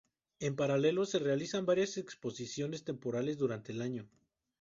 En paralelo, se realizan varias exposiciones temporales durante el año.